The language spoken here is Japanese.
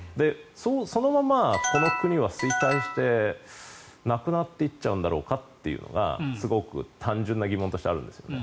そのままこの国は衰退してなくなっていっちゃうんだろうかっていうのがすごく単純な疑問としてあるんです。